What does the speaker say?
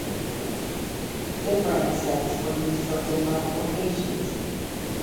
Different sets were used for different occasions.